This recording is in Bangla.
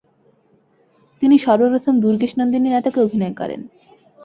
তিনি সর্বপ্রথম দুর্গেশনন্দিনী নাটকে অভিনয় করেন।